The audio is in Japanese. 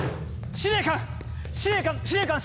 司令官司令官司令官！